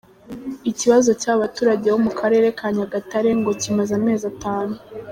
Ikibazo cy’aba baturage bo mu karere ka Nyagatare ngo kimaze amezi atanu.